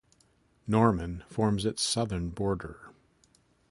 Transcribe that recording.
Norman forms its southern border.